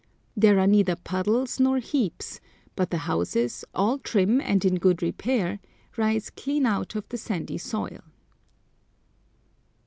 There are neither puddles nor heaps, but the houses, all trim and in good repair, rise clean out of the sandy soil.